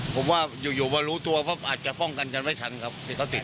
ผมว่าอยู่ว่ารู้ตัวอาจจะป้องกันกันไว้ชั้นครับที่เขาติด